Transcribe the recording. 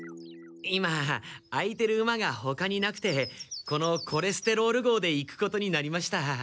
今空いてる馬がほかになくてこのコレステロール号で行くことになりました。